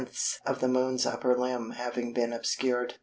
9/10ths of the Moon's upper limb having been obscured.